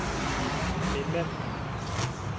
mes mains.